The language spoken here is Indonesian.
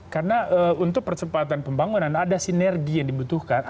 karena untuk persempatan pembangunan ada sinergi yang dibutuhkan